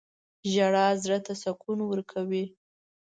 • ژړا زړه ته سکون ورکوي.